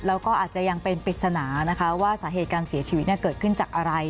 แล้วก็อาจจะยังเป็นปริศนานะคะว่าสาเหตุการเสียชีวิตเกิดขึ้นจากอะไร